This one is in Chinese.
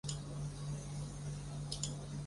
它们可能是在近河流的地方猎食。